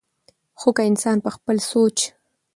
خو کۀ انسان پۀ خپل سوچ